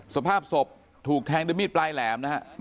สภาพศพถูกแทงด้วยมีดปลายแหลมนะฮะ